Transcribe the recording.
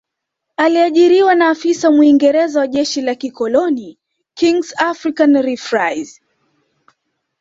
Aliajiriwa na afisa Mwingereza wa jeshi la kikoloni Kings African Rifles